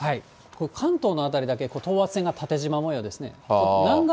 関東の辺りだけ等圧線が縦じま模様ですね。